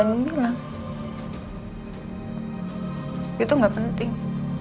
yang seperti mbak nuna itu gak penting